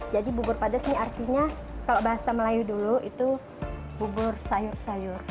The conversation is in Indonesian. jadi bubur padas ini artinya kalau bahasa melayu dulu itu bubur sayur sayur